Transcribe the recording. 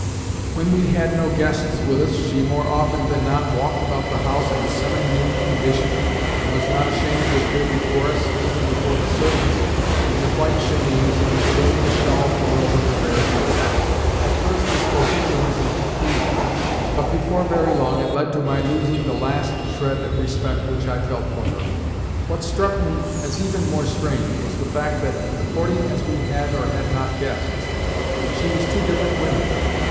When we had no guests with us she more often than not walked about the house in a semi nude condition, and was not ashamed to appear before us even before the servants in a white chemise, with only a shawl thrown over her bare shoulders. At first this Bohemianism pleased me, but before very long it led to my losing the last shred of respect which I felt for her. What struck me as even more strange was the fact that, according as we had or had not guests, she was two different women.